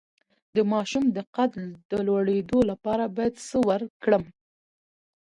د ماشوم د قد د لوړیدو لپاره باید څه ورکړم؟